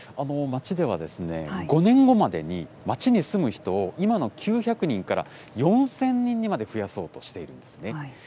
町では５年後までに、町に住む人を今の９００人から４０００人にまで増やそうとしているんですね。